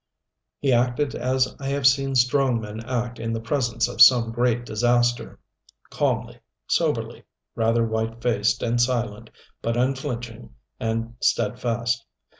He acted as I have seen strong men act in the presence of some great disaster calmly, soberly, rather white faced and silent, but unflinching and steadfast.